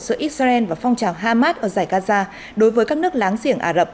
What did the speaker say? giữa israel và phong trào hamas ở giải gaza đối với các nước láng giềng ả rập